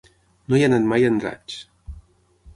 No he anat mai a Andratx.